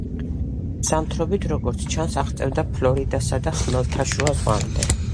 ზამთრობით, როგორც ჩანს, აღწევდა ფლორიდასა და ხმელთაშუა ზღვამდე.